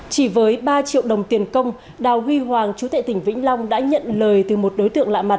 chỉ với ba triệu đồng tiền công đào huy hoàng chú tệ tỉnh vĩnh long đã nhận lời từ một đối tượng lạ mặt